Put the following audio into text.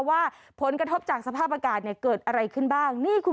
ว่าผลกระทบจากสภาพอากาศเนี่ยเกิดอะไรขึ้นบ้างนี่คุณ